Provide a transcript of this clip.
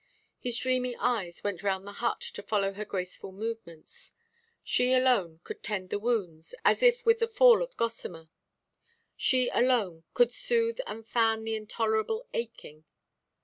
His dreamy eyes went round the hut to follow her graceful movements; she alone could tend the wounds as if with the fall of gossamer, she alone could soothe and fan the intolerable aching.